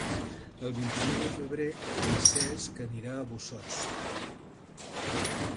El vint-i-nou de febrer en Cesc anirà a Bossòst.